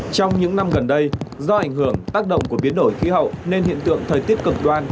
trong những năm gần đây do ảnh hưởng tác động của biến đổi khí hậu nên hiện tượng thời tiết cực đoan